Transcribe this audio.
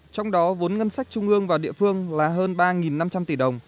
trong đó vốn ngân sách trung ương và địa phương là hơn ba năm trăm linh tỷ đồng